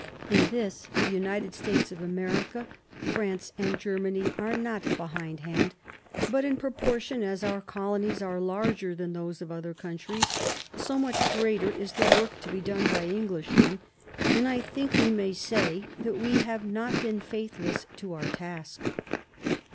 In this the United States of America, France and Germany are not behindhand, but in proportion as our Colonies are larger than those of other countries, so much greater is the work to be done by Englishmen, and I think we may say that we have not been faithless to our task.